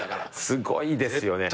すごいですよね。